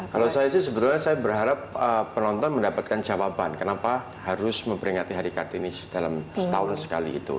kalau saya sih sebetulnya saya berharap penonton mendapatkan jawaban kenapa harus memperingati hari kartini dalam setahun sekali itu